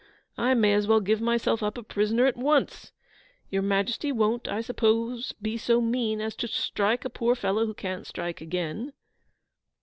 I may as well give myself up a prisoner at once. Your Majesty won't, I suppose, be so mean as to strike a poor fellow who can't strike again?